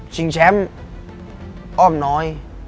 แชมป์อ้อมน้อย